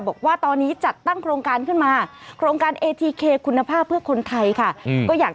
บอกว่าตอนนี้จัดตั้งโครงการขึ้นมา